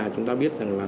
chúng ta biết rằng là